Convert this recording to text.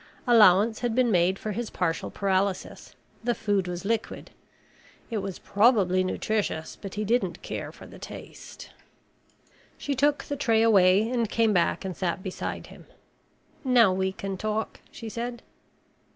Allowance had been made for his partial paralysis. The food was liquid. It was probably nutritious, but he didn't care for the taste. She took the tray away and came back and sat beside him. "Now we can talk," she said.